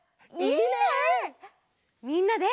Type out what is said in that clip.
みんなで。